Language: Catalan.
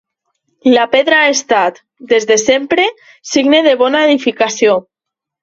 La pedra ha estat, des de sempre, signe de bona edificació.